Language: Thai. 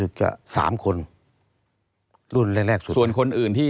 ตั้งแต่ปี๒๕๓๙๒๕๔๘